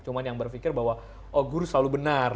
cuma yang berpikir bahwa oh guru selalu benar